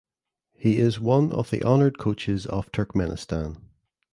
He is one of the honored coaches of Turkmenistan.